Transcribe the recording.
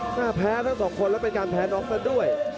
หน้าแพ้ทั้งสองคนและเป็นการแพ้น้องนั้นด้วย